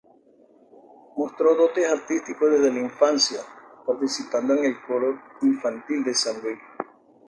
Mostró dotes artísticos desde la infancia, participando en el coro infantil de San Luis.